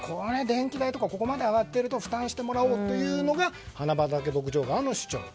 電気代とかここまで上がっていると負担してもらおうというのが花畑牧場側の主張。